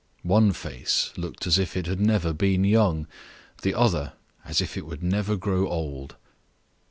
One face looked as if it had never been young; the other, as if it would never grow old.